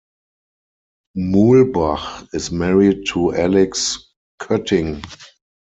Muhlbach is married to Alix Koetting.